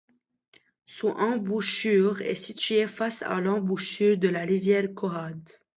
Son embouchure est situé face à l'embouchure de la rivière Cohade.